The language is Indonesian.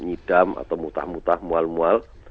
nyidam atau mutah mutah mual mual